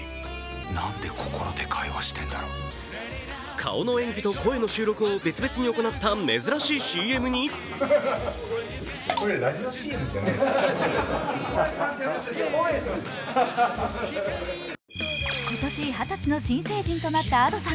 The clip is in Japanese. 顔の演技と声の収録を別々に行った珍しいＣＭに今年、二十歳の新成人となったＡｄｏさん。